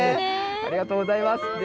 ありがとうございます。